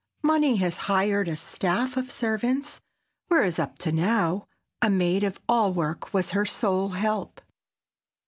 Money has hired a staff of servants, whereas up to now, a maid of all work was her sole "help."